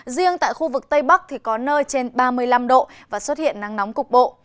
riêng tại khu vực tây bắc thì có nơi trên ba mươi năm độ và xuất hiện nắng nóng cục bộ